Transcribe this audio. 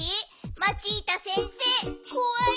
マチータ先生こわい？